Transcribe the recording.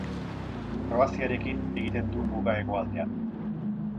Kroaziarekin egiten du muga hegoaldean.